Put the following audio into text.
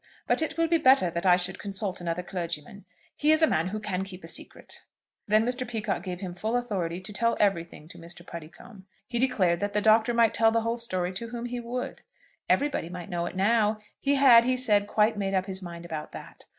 But it will be better that I should consult another clergyman. He is a man who can keep a secret." Then Mr. Peacocke gave him full authority to tell everything to Mr. Puddicombe. He declared that the Doctor might tell the story to whom he would. Everybody might know it now. He had, he said, quite made up his mind about that.